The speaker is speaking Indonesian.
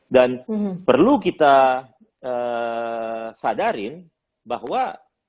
dan perlu kita sadarin bahwa